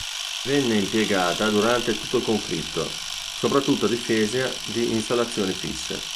Venne impiegata durante tutto il conflitto, soprattutto a difesa di installazioni fisse.